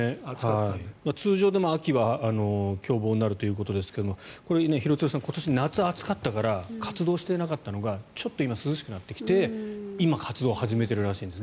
通常でも秋は凶暴になるということですが廣津留さん今年は夏が暑かったから活動していなかったのが今ちょっと涼しくなってきて今、活動を始めてるらしいんです。